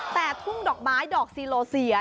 แต่ทุ่งดอกไม้ดอกซีโลเซีย